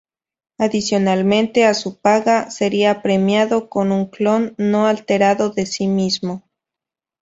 Adicionalmente a su paga, sería premiado con un clon no alterado de sí mismo.